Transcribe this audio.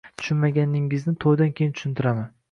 Tushunmaganingizni toʻydan keyin tushuntiraman.